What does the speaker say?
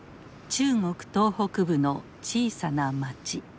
中国東北部の小さな町。